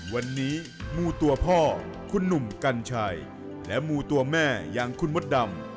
วันนี้มูตัวพ่อคุณหนุ่มกัญชัยและมูตัวแม่อย่างคุณมดดำ